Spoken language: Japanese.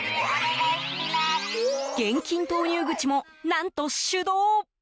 現金投入口も、何と手動。